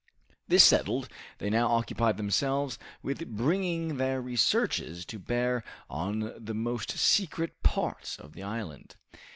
This settled, they now occupied themselves with bringing their researches to bear on the most secret parts of the island.